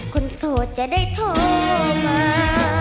โสดจะได้โทรมา